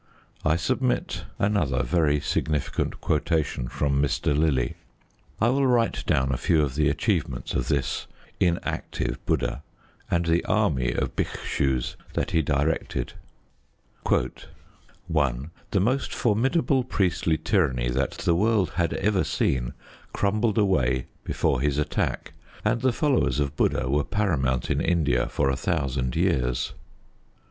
I submit another very significant quotation from Mr. Lillie: I will write down a few of the achievements of this inactive Buddha and the army of Bhikshus that he directed: 1. The most formidable priestly tyranny that the world had ever seen crumbled away before his attack, and the followers of Buddha were paramount in India for a thousand years.